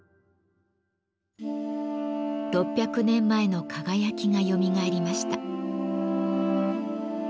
６００年前の輝きがよみがえりました。